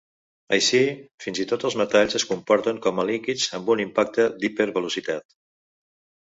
Així, fins i tot els metalls es comporten com a líquids amb un impacte d'hipervelocitat.